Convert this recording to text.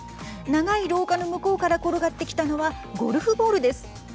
長い廊下の向こうから転がってきたのはゴルフボールです。